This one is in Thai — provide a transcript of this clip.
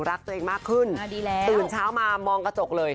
รักตัวเองมากขึ้นตื่นเช้ามามองกระจกเลย